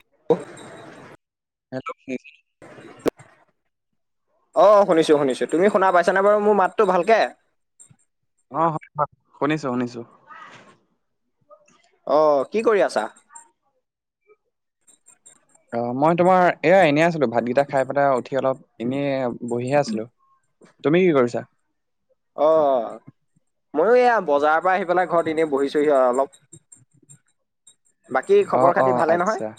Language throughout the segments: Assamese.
আহ [unintelligible] সেইটো অ', শুনিছো-শুনিছো তুমি শুনা পাইছানে বাৰু মোৰ মাতটো ভালকে? অ', হয়-হয় শুনিছো-শুনিছো। অ', কি কৰি আছা? অ', মই তোমাৰ এয়া এনেই আছিলো ভাতকেইটা খাই পেলাই উঠি অলপ এনেই বহিয়ে আছিলো। তুমি কি কৰিছা? অ', মইো এয়া বজাৰৰ পৰা আহি পেলাই ঘৰত এনেই বহিছোহি অলপ। বাকী খবৰ অ', খাতি অ', ভালে নহয় আচ্ছা।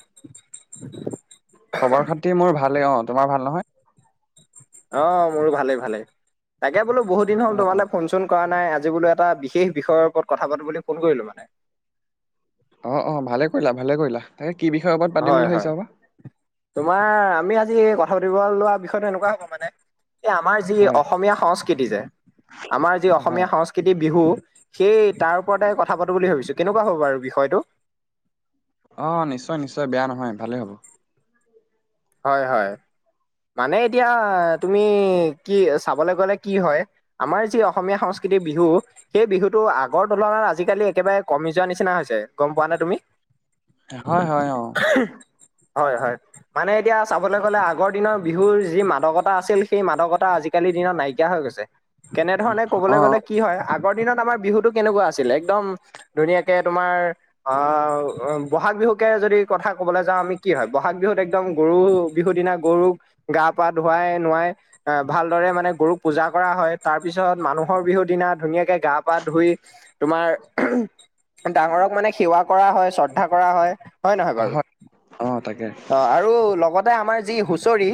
খবৰ খাতি মোৰ ভালে অ, তোমাৰ ভাল নহয়? অ', মোৰো ভালেই ভালেই তাকে বোলো বহুত দিন হ'ল অ অ তোমালে ফোন কৰা নাই আজি বো এটা বিশেষ বিষয়ৰ ওপৰত কথা পাতোব বুলি ফোন কৰিলো মানে। অ', অ', ভালে কৰিলা ভালে কৰিলা তাকে কি বিষয়ে ওবৰত পাতিম হয় বুলি হয় ভাবিছা বা? তোমাৰ আমি আজি কথা পাতিব লোৱা বিষয়তো এনেকুৱা হ'ব মানে এই আমাৰ যি হয় অসমীয়া সংস্কৃতি যে আমাৰ যি অ হয় অসমীয়া সংস্কৃতি বিহু সেই তাৰ ওপৰতে কথা পাতো বুলি ভাবিছো কেনেকুৱা হ'ব বাৰু বিষয়টো। অ, নিশ্চয়-নিশ্চয় বেয়া নহয় ভালেই হ'ব। হয়-হয় মানে এতিয়া তুমি কি চাবলে গলে কি হয়। আমাৰ যি অসমীয়া সংস্কৃতিৰ বিহু সেই বিহুতটো আগৰ তুলনাত আজিকালি একেবাৰে কমি যোৱা নিচিনা হৈছে গম পোৱা নে তুমি। হয়-হয় অ, হয়-হয়। মানে এতিয়া চাবলৈ গ'লে আগৰ দিনৰ বিহুৰ যি মাদকতা আছিল সেই মাদকতা আজিকালিৰ দিনত নাইকিয়া হৈ গৈছে। কেনেধৰণে কবলৈ অ গলে কি হয় আগৰ দিনত আমাৰ বিহুতটো কেনেকুৱা আছিলে একদম ধুনীয়াকে তোমাৰ অ, অ, বহাগ বিহুকে যদি কথা কবলৈ যাওঁ আমি কি হয় বহাগ বিহুত এক একদম গৰু বিহুৰ দিনা গৰুক গা পা ধুৱাই নোৱাই এ ভালদৰে মানে গৰুক পূজা কৰা হয় তাৰ পিছত মানুহৰ বিহুৰ দিনা ধুনীয়াকে গা পা ধুই, তোমাৰ ডাঙৰক মানে সেৱা কৰা হয় শ্ৰদ্ধা কৰা হয় হয় নহয় বাৰু। অ, তাকে। অ, আৰু লগতে আমাৰ যি হুঁচৰি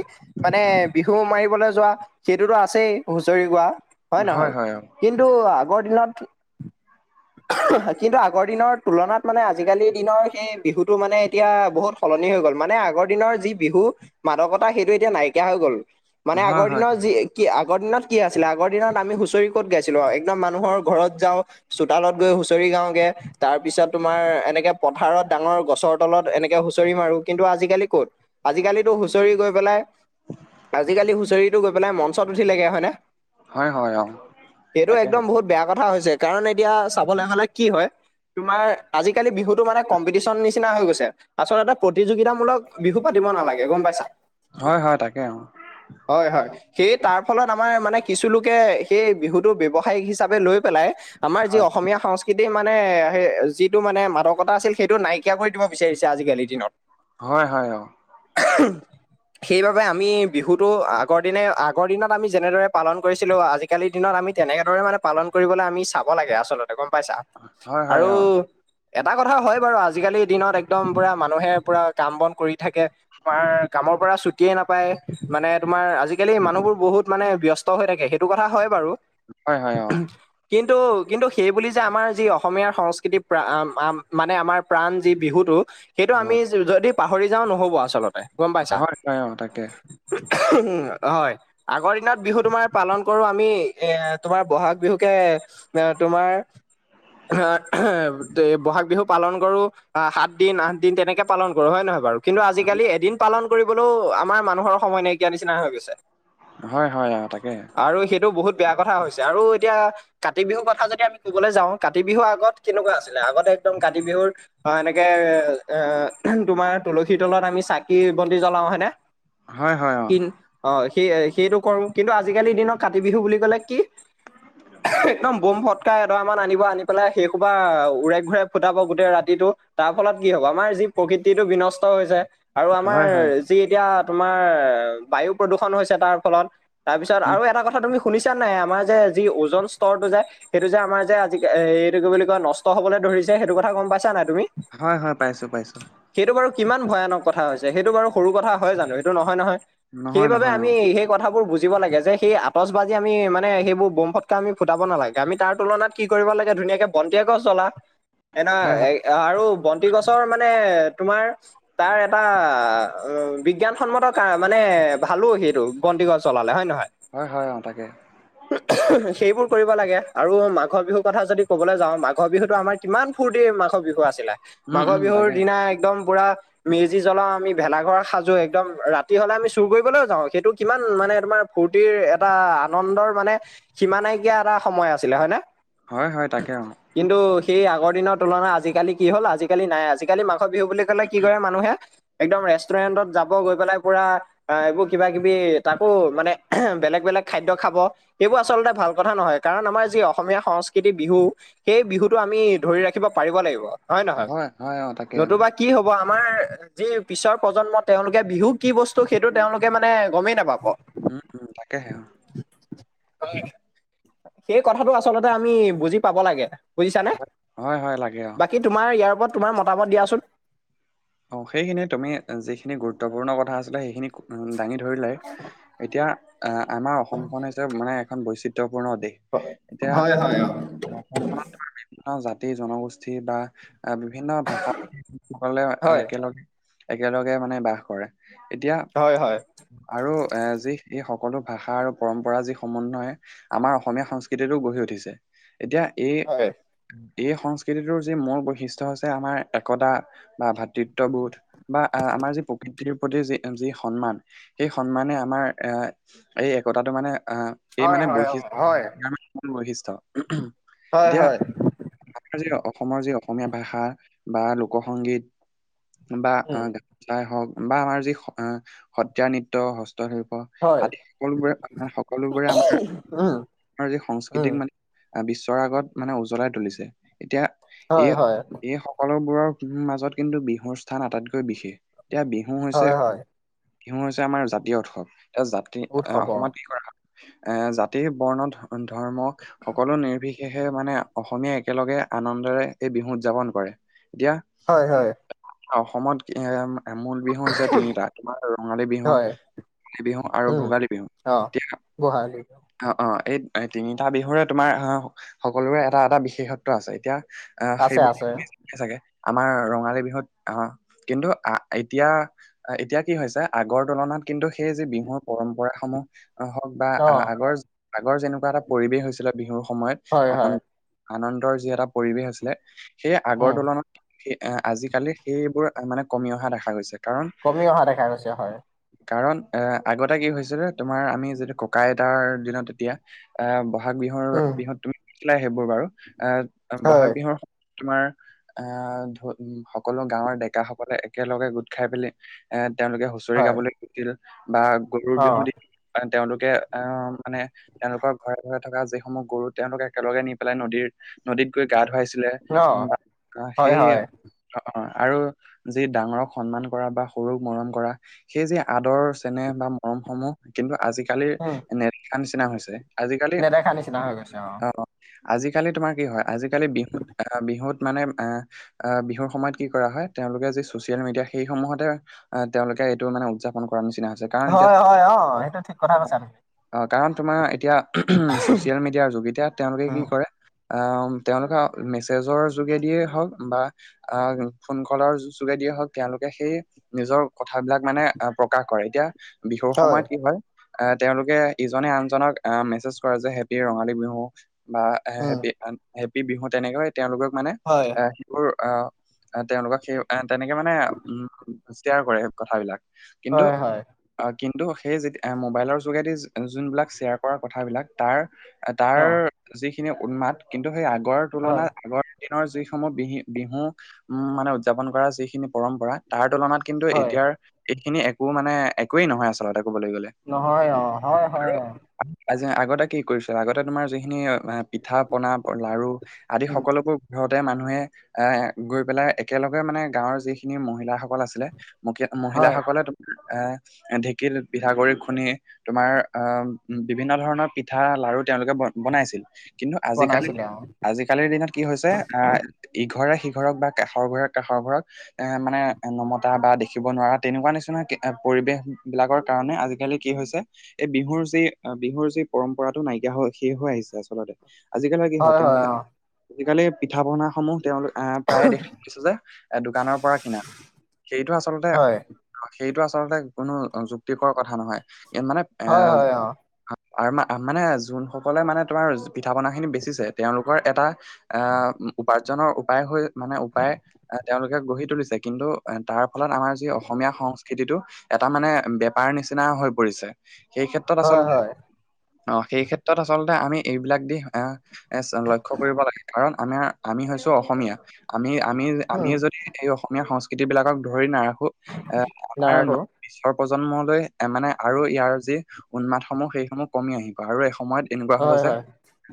মানে বিহু মাৰিবলৈ যোৱা সেইটোতো আছেই হুচৰি গোৱা হয় নহয়। কিন্তু আগৰ দিনত, উ [unintelligible] কিন্তু আগৰ দিনৰ তুলনাত মানে আজিকালি দিনৰ সেই বিহুতটো মানে এতিয়া বহুত, সলনি হৈ গল, মানে আ- আগৰ দিনৰ যি বিহু মাদকতা সেইটো এতিয়া নাইকিয়া হৈ গ'ল মানে হয় আগৰ হয় দিনৰ যি - কি আগৰ দিনত কি আছিলে আগৰ দিনত আমি হুঁচৰি ক'ত গাইছিলোঁ আৰু একদম মানুহৰ ঘৰত যাওঁ- চোতালত গৈ হুঁচৰি গাওগে - তাৰ পিছত তোমাৰ এনেকে পথাৰত ডাঙৰ গছৰ তলত এনেকে হুঁচৰি মাৰো কিন্তু আজিকালি - কত আজিকালিতো হুচৰি গৈ পেলাই আজিকালি হুচৰি - গৈ পেলাই মঞ্চত উঠি লাগে হয় ন, হয় হয় অ সেইটো তাকেহে একদম বহুত বেয়া কথা হৈছে। কাৰণ এতিয়া চাবলে হ'লে কি হয় - তোমাৰ আজিকালি বিহুতো মানে কম্পিটিচন নিচিনা হৈ গৈছে, আচলতে প্ৰতিযোগিতামূলক - বিহু পাতিব নালাগে গম পাইছা, হয় হয় তাকে অ হয় হয়। সেই তাৰ ফলত আমাৰ মানে কিছুলোকে সেই বিহুটো ব্যবসায়িক হিচাপে লৈ পেলাই - আমাৰ যি হয় অসমীয়া সংস্কৃ - কৃতি মানে সেই যিটো মানে মাদকতা আছিল সেইটো নাইকিয়া কৰি দিব বিচাৰিছে আজিকালি দিনত। হয় হয় অ। [unintelligible] সেইবাবে আমি বিহুতটো আগৰ দিনে আগৰ দিনত আমি যেনেদৰে পালন কৰিছিলো আজি - কালিৰ দিনত আমি তেনেকেদৰে মানে পালন কৰিবলে আমি চাব লাগে আচলতে গম পাইছা। হয় হয় আৰু অ - এটা কথা হয় বাৰু আজিকালিৰ দিনত একদম পুৰা মানুহে পুৰা কাম বন কৰি - থাকে তোমাৰ কামৰ পৰা ছুটিয়ে নাপায় মানে তোমাৰ আজিকালি মানুহবোৰ বহুত - মানে ব্যস্ত হৈ থাকে সেইটো কথা হয় বাৰু। হয় হয় অ কিন্তু কিন্তু সেই বুলি যে আমাৰ যি অসমীয়াৰ সংস্কৃতি প্ৰা মানে আমাৰ প্ৰাণ যি বিহুটো - সেইটো আমি হয় যদি পাহৰি যাওঁ নহ'ব আচলতে গম পাইছা। হয়, হয়, অ', তাকে। উম হয়। আগৰ দিনত বিহু তোমাৰ পালন কৰো আমি এ তোমাৰ বহাগ বিহুকে - এ তোমাৰ এ এ এ বহাগ বিহু পালন কৰো - অ সাত দিন আঠ দিন তেনেকে পালন কৰো হয় নহয় বাৰু? কিন্তু আজিকালি এদিন পালন কৰিবলও আমাৰ মানুহৰ সময় নাইকিয়া নিচিনা হৈ গৈছে। হয়, হয়, অ', তাকে। আৰু সেইটো বহুত বেয়া কথা হৈছে আৰু এতিয়া - কাতি বিহুৰ কথা যদি আমি ক'বলৈ যাওঁ কাতি বিহুৰ আগত কেনেকুৱা আছিলে, আগতে একদম কাতি বিহুৰ - অ এনেকে এ তোমাৰ - তুলসীৰ তলত আমি চাকি বন্তি জ্বলাও হেনে, হয়, হয়, অ', কিন - অ সেই সেইটো কৰো, কিন্তু আজিকালিৰ দিনত কাতি বিহু বুলি কলে কি? একদম বোমফত - ফতকা এদম মান আনিব আনি পেলাই সেই কোবা উৰাই ঘূৰাই ফুটাব গোটেই ৰাতিটো তাৰ ফলত কি হব আমাৰ যি - প্ৰকৃতিৰটো বিনষ্ট- ষ্ট হৈছে আৰু আমাৰ হয়, হয়, যি এতিয়া তোমাৰ বায়ু প্ৰদূষণ হৈছে তাৰ ফলত। তাৰপিছত উম, আৰু এটা কথা তুমি শুনিছা নাই আমাৰ যে যি ওজন স্তৰটো যে - সেইটো যে আমাৰ যে আজি এইটো কি বুলি কয় নষ্ট হবলৈ ধৰিছে সেইটো কথা গম পাইছা নাই তুমি? হয় হয় পাইছো পাইছো। সেইটো বাৰু কিমান ভয়ানক কথা হৈছে সেইটো বাৰু সৰু কথা হয় জানো, হেইটো নহয় নহয়। নহয়, সেইবাবে নহয়, অ', আমি সেই কথাবোৰ বুজিব লাগে যে - সেই আটচ বাজি আমি মানে সেইবোৰ বোম ফটকা আমি ফুটাব নালাগে আমি তাৰ তুলনাত কি কৰিব লাগে ধুনীয়াকে - বন্তি এগজ জ্বলা। [unintelligible] এনা হয়, এ আৰু বন্তি গছৰ মানে তোমাৰ তাৰ এটা বিজ্ঞানসন্মত কাৰ মানে ভালো সেইটো। বন্তি গছ চলালে হয় নহয়। হয়ঁ হয়ঁ অ তাকে। সেইবোৰ কৰিব লাগে আৰু মাঘৰ বিহুৰ কথা যদি ক'বলৈ যাওঁ মাঘৰ বিহুতটো আমাৰ কিমান ফূৰ্তি মাঘৰ বিহু আছিলে উম, মাঘৰ উম, বিহুৰ তাকে। দিনা একদম পুৰা,,, মেজি জ্বলাও আমি ভেলাঘৰ সাজো একদম ৰাতি হ'লে আমি চুৰ কৰিবলৈও যাওঁ সেইটো কিমান মানে তোমাৰ। ফূৰ্তিৰ এটা আনন্দৰ মানে সিমা নাইকিয়া এটা সময় আছিলে হয় নে? হয়ঁ হয়ঁ তাকে অঁ। কিন্তু সেই আগৰ দিনৰ তুলনাত আজিকালি কি হ'ল আজিকালি নাই আজিকালি মাঘ বিহু বুলি ক'লে,,, কি কয় মানুহে একদম ৰেষ্টুৰেন্টত যাব গৈ পেলাই পুৰা,,,, হ‌য় এইবোৰ কিবা কিবি তাকো মানে এহে বেলেগ বেলেগ খাদ্যয় খাব। ইেইবোৰ আচলতে ভাল কথা নহয় কাৰণ আমাৰ যি অসমীয়া সংস্কৃতি বিহু। সেই বিহুতটো আমি ধৰি ৰাখিব পাৰিব লাগিব। হয়ঁ নহয় হয়, হয়, অ', তাকে, অ', নতুবা কি হব আমাৰ যি পিছৰ প্ৰজন্ম তেওঁলোকে বিহুত,,,, কি বস্তু সেইটো তেওঁলোকে মানে গমেই নাপাব। উমঁ উমঁ তাকেহে অঁ। হয়ঁ সেই কথাটো আচলতে আমি বুজি পাব লাগে। হয়ঁ হয়ঁ হয়ঁ লাগে অঁ। কি তোমাৰ ইয়াৰ ওপৰত তোমাৰ মতামত দিয়াচোন। অ সেইখিনি তুমি যিখিনি গুৰুত্বপূৰ্ণ কথা আছিলে সেইখিনি,,, দাঙি ধৰিলে এতিয়া আমাৰ অসমখন হৈছে মানে এখন বৈচিত্ৰ,,, গুৰুত্বপূৰ্ণদেশ এতিয়া হয় হয় অ অঁ! অসমখনত মাৰ বিভিন্ন জাতি জনগোষ্ঠী বা বিভিন্ন ভাষালে হয় একেলগে একেলগে মানে বাস কৰে এতিয়া হয় হয় আৰু এ যি এই সকলো ভাষা আৰু পৰম্পৰা যি সমন্য়,,, আমাৰ অসমীয়া সংস্কৃতিটো গঢ়ি উঠিছে এতিয়া এই,,,,, হয় এই সংস্কৃতিটোৰ যি মূল বৈশিষ্ট্য় হৈছে আমাৰ একতা বা ভাত। তত্ববোধ বা আমাৰ যি প্ৰকৃতিৰ প্ৰতি যি যি সন্মান তি সেই সন্মানে আমাৰ এ এই একতাটো মানে আহ এই হয় মানে হয় অ, বৈশিষ্ট হয় ইাৰ বৈশিষ্ট্য় ওম ওম হয় এতিয়া হয় আমাৰ যি অসমৰ যি অসমীয়া ভাষা বা লোক সংগীত। বা উম গ গাই হওঁক বা আমাৰ যি সত্ৰীয়া নৃত্য হস্তশিল্প। হয় আদি সকলোবোৰে সকলোবোৰে আমাৰ উম আমাৰ যি উম সংস্কৃতিক মানে। আহ' বিশ্বৰ আগত মানে উজ্বলাই তুলিছে এতিয়া এই হয় হয় এই হক সকলোবোৰৰ মাজত কিন্তু বিহুৰ স্থান আটাইতকৈ বিশেষ এতিয়া বিহু হৈছে। হয় হয় বিহু হৈছে আমাৰ জাতীয় উৎসৱ এতিয়া জাতি উৎসৱ অ অসমত কি কৰা এ, জাতি বৰ্ণ ধৰ্ম সকলো নিৰ্বিশেষ। সে মানে অসমীয়া একেলগে আনন্দৰে এই বিহু উদযাপন কৰে। এতিয়া হয়ঁ হয়ঁ। অসমত কি আমা মূল বিহু হৈছে তিনিটা তোমাৰ ৰঙালী বিহু হয় কাতি বিহু আৰু ভোগালী বিহু এতিয়া গোহালী অঁ অঁ এই তিনিটা বিহুৰে তোমাৰ আহ সকলোৰে এটা এটা বিশেষত্ব আছে এতিয়া আহ আছে আছে সেইবোলিয়ে চাগে আমাৰ ৰঙালী বিহুত আহ কিন্তু আহ এতিয়া এতিয়া কি হৈছে আগৰ তুলনাত কিন্তু সেই যি বিহুৰ পৰম্পৰা সমূহ অহ হওঁক বা অ আহ আগৰ আগৰ যেনেকুৱা এটা পৰিৱেশ হৈছিলে বিহুৰ হয় সময়ত হয় আনন্দৰ যি এটা পৰিৱেশ আছিলে সেই আগৰ উম তুলনাত সেই আজিকালি সেইবোৰ মানে কমি অহা দেখা গৈছে কাৰণ কমি অহা দেখা গৈছে হয় কাৰণ, এ আগতে কি হৈছিলে তোমাৰ আমি যিটো ককা-আইতাৰ দিনত তেতিয়া আহ' বহাগ বিহুৰ উম বিহু তুমি দেখিছিলাই সেইবোৰ বাৰু আহ হয় বহাগ বিহুৰ তোমাৰ আহ ধ সকলো গাঁৱৰ ডেকা সকলে একেলগে গোট খাই পেলি এ তেওঁলোকে হুঁচৰি হয় গাবলৈ গৈছিল বা গৰুৰ অ বিহু দিনা তেওঁলোকে আহ মানে তেওঁলোকৰ ঘৰে ঘৰে থকা যিসমূহ গৰু তেওঁলোকে একেলগে নি পেলাই নদীৰ নদীত গৈ গা ধুৱাইছিলে অ উ আহ হয় সেই হয় অ অ আৰু যি ডাঙৰক সন্মান কৰা বা সৰুক মৰম কৰা সেই যে আদৰ, চেনেহ বা মৰম সমূহ কিন্তু আজিকালিৰ উম নেদেখা নিচিনা হৈছে আজিকালি নেদেখা নিচিনা হৈ গৈছে অ অহ আজিকালি তোমাৰ কি হয়, আজিকালি বিহুত অ বিহুত মানে আহ অহ বিহুৰ সময়ত কি কৰা হয় তেওঁলোকে যি ছচিয়েল মিডিয়া সেইসমূহতে অহ' তেওঁলোকে এইটো মানে উদযাপন কৰাৰ নিচিনা হৈছে কাৰণ এতিয়া হয় হয় অ সেইটো ঠিক কথা কৈছা তুমি অ' কাৰণ তোমাৰ এতিয়া ছচিয়েল মিডিয়াৰ যোগ তেওঁলোকে কি উম কৰে অহ তেওঁলোকে মেছেজৰ যোগেদিয়ে হওঁক বা আহ ফোনকলৰ যোগেদিয়ে হওঁক তেওঁলোকে সেই নিজৰ কথাবিলাক মানে প্ৰকাশ কৰে, এতিয়া বিহুৰ সময়ত কি হয় আহ তেওঁলোকে ইজনে আনজনক আহ' মেছেজ কৰা যাই হেপী ৰঙালী বিহু বা উম হেপী হেপী বিহু তেনেকৈ তেওঁলোকক মানে হয় আহ বোৰ আহ তেওঁলোকক সেই তেনেকে মানে উম শ্বেয়াৰ কৰে কথাবিলাক কিন্তু, হয় হয় কিন্তু সেই যে মোবাইলৰ যোগেদি যোনবিলাক শ্বেয়াৰ কৰা কথাবিলাক তাৰ তাৰ অ যিখিনি উন্মাত কিন্তু সেই আগৰ হয় তুলনাত আগৰ দিনৰ যিসমূহ বি বিহু উম মানে উদযাপন কৰা যিখিনি পৰম্পৰা তাৰ তুলনাত কিন্তু হয় এতিয়াৰ এইখিনি একো মানে একোৱেই নহয় আচলতে ক'বলৈ গ'লে নহয় অ' হয় আৰু হয় আগতে কি কৰিছিল আগতে তোমাৰ যিখিনি পিঠা, পনা, লাৰু আদি উম সকলোবোৰ ঘৰতে মানুহে এ গৈ পেলাই, একেলগে মানে গাঁৱৰ যিখিনি মহিলাসকল আছিলে হয় মহিলাসকলে এ ঢেঁকীত পিঠাগুৰি খুন্দি তোমাৰ অ' বিভিন্ন ধৰণৰ পিঠা, লাৰু তেওঁলোকে ব বনাইছিল কিন্তু বনাইছিলে আজিকালিত অ আজিকালিৰ দিনত কি হৈছে এ ইঘৰে সিঘৰক বা কাষৰ ঘৰে কাষৰ ঘৰক এ মানে নমতা বা দেখিব নোৱাৰা তেনেকুৱা নিচিনা পৰিৱেশ বিলাকৰ কাৰণে আজিকালি কি হৈছে এই বিহুৰ যি বিহুৰ যি পৰম্পৰাটো নাইকিয়া হৈ, শেষ হৈ আহিছে আচলতে আজিকালি মানে কি হয়, তেওঁলোকে আজিকালি পিঠা-পনাসমূহ তেওঁলোক আ প্ৰায়ে দেখিছোঁ যে দোকানৰ পৰা কিনা সেইটো আচলতে হয় সেইটো আচলতে কোনো যুক্তিকৰ কথা নহয় মানে এ হয় হয় অ আৰু মানে যোনসকলে মানে তোমাৰ পিঠা পনাখিনি বেচিছে তেওঁলোকৰ এটা আহ উপাৰ্জনৰ উপায় হৈ মানে উপায় আহ তেওঁলোকে গঢ়ি তুলিছে কিন্তু তাৰ ফলত আমাৰ যি অসমীয়া সংস্কৃতিটো এটা মানে বেপাৰ নিচিনা হৈ পৰিছে! সেই ক্ষেত্ৰত, হয় আচলতে হয় অ', সেই ক্ষেত্ৰত আচলতে আমি এইবিলাক দি আহ। এই লক্ষ্য কৰিব লাগে, কাৰণ আমি হৈছোঁ অসমীয়া। আমি, আমি, আমি উম যদি এই অসমীয়া সংস্কৃতিবিলাকক ধৰি নাৰাখোঁ, এ আমাৰ। নাৰাখো পিছৰ প্ৰজন্মলৈ এ মানে আৰু ইয়াৰ যি উন্মাদসমূহ সেইসমূহ কমি আহিব আৰু এইসময়ত তেনেকুৱা হ'ব হয় যে হয়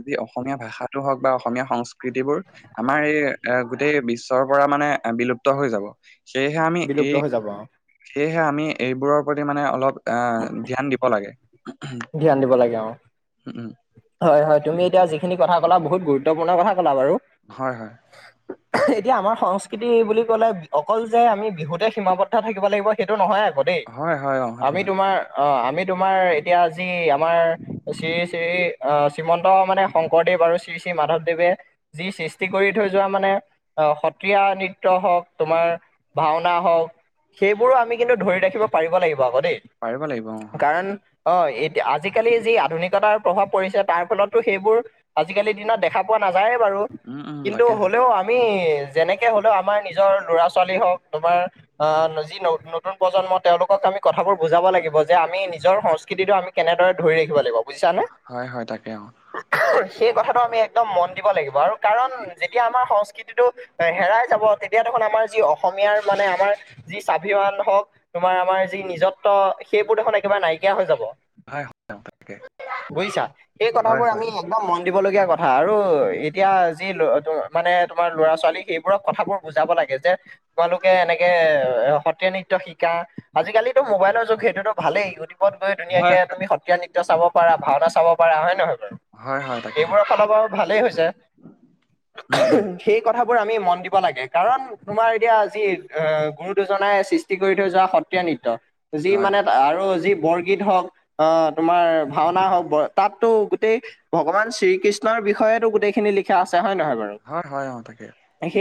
যি অসমীয়া ভাষাটো হওক বা অসমীয়া সংস্কৃতিবোৰ আমাৰ এই এ গোটেই বিশ্বৰ পৰা মানে বিলুপ্ত হৈ যাব! সেয়েহে আমি বিলুপ্ত এই হৈ যাব অ সেয়েহে আমি এইবোৰৰ প্ৰতি মানে অলপ আ ধ্যান দিব লাগে! ধ্যান দিব লাগে অ [inaudible] হয়, হয়, তুমি এতিয়া যিখিনি কথা কলা বহুত গুৰুত্বপূৰ্ণ কথা কলা বাৰু! হয় হয়! এতিয়া, আমাৰ সংস্কৃতি বুলি ক'লে অকল যে আমি বিহুতে সীমাবদ্ধ থাকিব লাগিব সেইটো নহয় [unintelligible] হয়, হয়, অ', সেইটো আমি হয়, তোমাৰ অঁ আমি তোমাৰ এতিয়া যি আমাৰ! শ্ৰী শ্ৰী আহ শ্ৰীমন্ত মানে শংকৰদেৱ আৰু শ্ৰী শ্ৰী মাধৱদেৱে, যি সৃষ্টি কৰি থৈ যোৱা মানে আহ সত্ৰীয়া নৃত্য হওক তোমাৰ, ভাওনা হওক সেইবোৰো আমি কিন্তু ধৰি ৰাখিব পাৰিব লাগিব আক দেই! পাৰিব লাগিব অ', হয়, কাৰণ, অঁ', এতি আজিকালি যি আধুনিকতাৰ প্ৰভাৱ পৰিছে তাৰ ফলতো সেইবোৰ, আজি কালিৰ দিনত দেখা পোৱা নাযায়ে বাৰু? উম, উম, কিন্তু, তাকেহে, হলেও আমি যেনেকে হ'লেও আমাৰ নিজৰ ল'ৰা ছোৱালী হওক তোমাৰ, আহ যি নতুন প্ৰজন্ম তেওঁলোকক আমি কথাবোৰ বুজাব লাগিব! যে, আমি নিজৰ সস্কৃতি সংস্কৃতি টো কেনেদৰে ধৰি ৰাখিব লাগিব! হয়, হয় তাকে অঁ, সেই কথাটো আমি একদম মন দিব লাগিব আৰু কাৰণ যেতিয়া আমাৰ সংস্কৃতি, সংকৃতিটো হেৰাই যাব তেতিয়া দেখোন আমাৰ যি অসমীয়াৰ মানে আমাৰ, যি স্বাভিমান হওক, তোমাৰ আমাৰ যি নিজত্ব সেইবোৰ দেখোন একেবাৰে নাই কিয়া হৈ যাব হয়, হয়, অ', তাকে, বুজিছা! সেই হয়, কথাবোৰ হয়, আমি, একদম মন দিব লগীয়া কথা আৰু এতিয়া যি মানে তোমাৰ ল'ৰা ছোৱালী সেইবোৰক কথাবোৰ, বুজাব লাগে যে, তোমালোকে এনেকে এ সত্ৰীয়া নৃত্য শিকা! আজিকালিতো মোবাইলৰ যুগ সেইটোতো ভালেই গতি, ত গৈ ধুনীয়াকে তুমি সত্ৰীয়া নৃত্য চাব পাৰা ভাওনা চাব পাৰা! হয় নহয় বাৰু? হয়, হয়, তাকেহে, এইবোৰৰ ফালৰপৰাও ভালেই হৈছে। উম, উম, সেই কথাবোৰ আমি মন দিব লাগে কাৰণ। তোমাৰ এতিয়া যি এ গুৰু দুজনাই সৃষ্টি কৰি থৈ যোৱা সত্ৰীয়া নৃত্য, যি হয়, মানে হয়, আৰু যি, বৰগীত হওক অঁ তোমাৰ ভাওনা হওক ব তাতটো গোটেই। ভগৱান শ্ৰীকৃষ্ণৰ বিষয়ে টো গোটেইখিনি লিখা আছে হয় নহয় বাৰু? হয়, হয় অঁ তাকে? এ সেই,